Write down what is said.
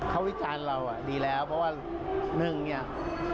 เขาวิจารณ์เราดีแล้วเพราะว่าหนึ่งเนี่ย